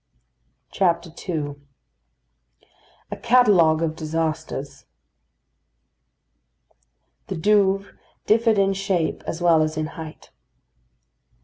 II A CATALOGUE OF DISASTERS The Douvres differed in shape as well as in height.